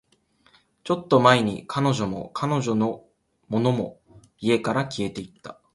ちょっと前に、彼女も、彼女のものも、家から消えていった